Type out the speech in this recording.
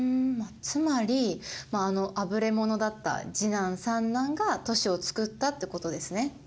つまりあぶれ者だった次男三男が都市を作ったってことですね。